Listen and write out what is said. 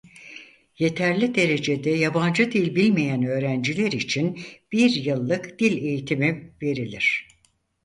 Yeterli derecede yabancı dil bilmeyen öğrenciler için bir yıllık dil eğitimi verilir.